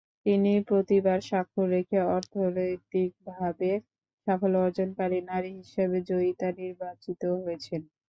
তিনি প্রতিভার স্বাক্ষর রেখে অর্থনৈতিকভাবে সাফল্য অর্জনকারী নারী হিসেবে জয়িতা নির্বাচিত হয়েছেন।